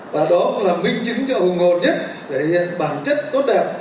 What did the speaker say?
và đó cũng là minh chứng cho hùng ngọt nhất thể hiện bản chất tốt đẹp